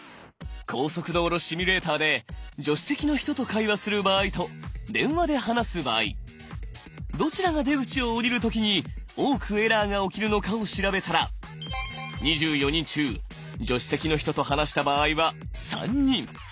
高速道路シミュレーターで助手席の人と会話する場合と電話で話す場合どちらが出口を降りる時に多くエラーが起きるのかを調べたら２４人中助手席の人と話した場合は３人。